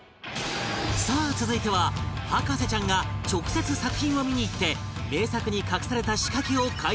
さあ続いては博士ちゃんが直接作品を見に行って名作に隠された仕掛けを解説